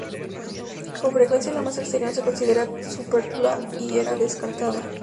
Con frecuencia la masa exterior se consideraba superflua y era descartada.